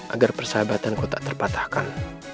agar persahabatan ku tak terpatahkan